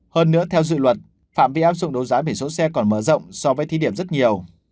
hơn nữa theo dự luật phạm vi áp dụng đấu giá biển số xe còn mở rộng so với thí điểm rất nhiều